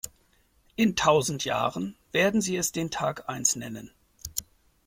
In tausend Jahren werden sie es den Tag eins nennen.